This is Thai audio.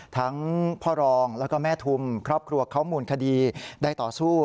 ทั้งพ่อรองแล้วก็แม่ทุมครอบครัวเขามูลคดีได้ต่อสู้